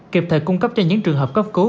kịp thời cung cấp cho những trường hợp cấp cứu